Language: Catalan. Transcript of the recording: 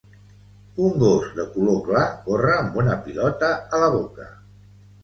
Un gos de color clar corre amb una pilota a la boca